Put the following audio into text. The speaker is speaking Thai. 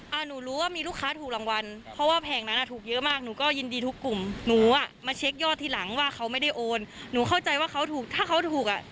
แล้วหนูก็มีงานประจำของหนูหนูก็ยุ่งมากหนูก็ทำงานของหนูอยู่